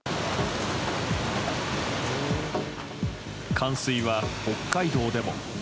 冠水は北海道でも。